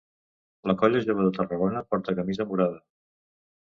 La Colla Jove de Tarragona porta camisa morada.